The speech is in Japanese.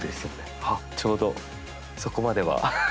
ちょうどそこまでは。